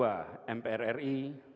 wakil ketua mprri